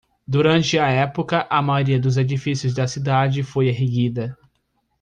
Durante a época, a maioria dos edifícios da cidade foi erguida.